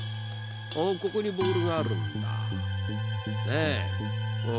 ［ここにボールがあるんだねうん］